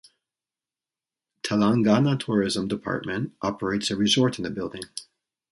Telangana Tourism Department operates a resort in the building.